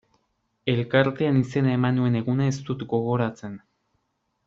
Elkartean izena eman nuen eguna ez dut gogoratzen.